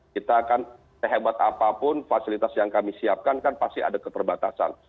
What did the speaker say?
kita akan sehebat apapun fasilitas yang kami siapkan kan pasti ada keterbatasan